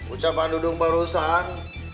ucapan dudung barusan